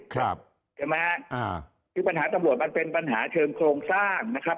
ชิมะคือปัญหาตำรวจมันเป็นปัญหาเทิมโครงสร้างนะครับ